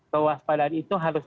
kewaspadaan itu harus